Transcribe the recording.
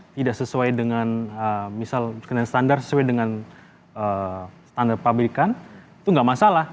tidak sesuai dengan misal dengan standar sesuai dengan standar pabrikan itu nggak masalah